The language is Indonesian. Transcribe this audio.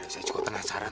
saya juga penasaran